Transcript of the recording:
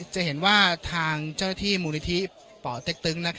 จะเห็นว่าทางเจ้าหน้าที่มูลนิธิป่อเต็กตึง